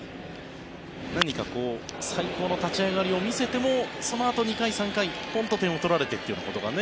何か最高の立ち上がりを見せてもそのあと、２回、３回点を取られてというのがね。